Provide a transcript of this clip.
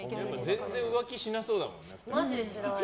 全然浮気しなそうだもんね。